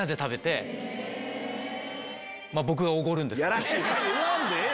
やらしいわ！